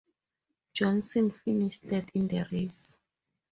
Johnson finished third in the race.